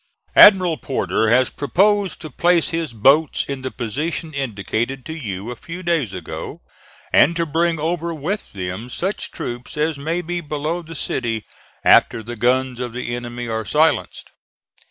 Admiral Porter has proposed to place his boats in the position indicated to you a few days ago, and to bring over with them such troops as may be below the city after the guns of the enemy are silenced.